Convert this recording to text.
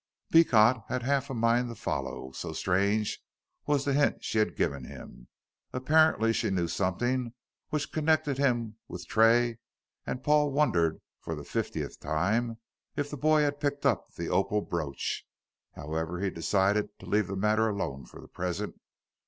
Beecot had half a mind to follow, so strange was the hint she had given him. Apparently, she knew something which connected him with Tray, and Paul wondered for the fiftieth time, if the boy had picked up the opal brooch. However, he decided to leave the matter alone for the present.